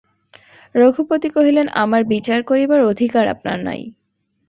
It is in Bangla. রঘুপতি কহিলেন, আমার বিচার করিবার অধিকার আপনার নাই।